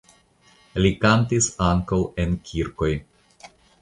Li kantis ankaŭ en kirkoj.